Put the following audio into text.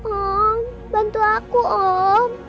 om bantu aku om